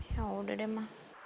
ya udah deh mah